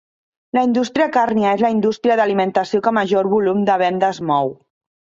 La indústria càrnia és la indústria d'alimentació que major volum de vendes mou.